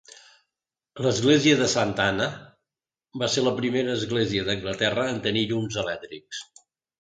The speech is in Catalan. L'església de Santa Anna va ser la primera església d'Anglaterra en tenir llums elèctrics.